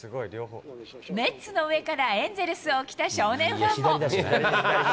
メッツの上からエンゼルスを着た少年ファンも。